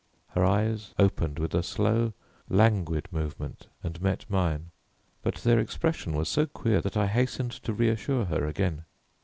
Her eyes opened with a slow languid movement and met mine, but their expression was so queer that I hastened to reassure her again.